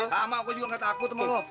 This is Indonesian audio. sama gue juga nggak takut sama lo